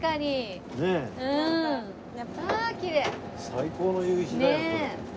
最高の夕日だよこれ。